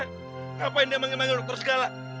ngapain dia manggil manggil dokter segala